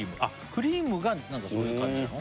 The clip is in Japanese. クリームが何かそういう感じなの？